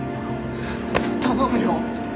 頼むよ！